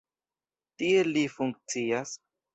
Tiel li funkcias.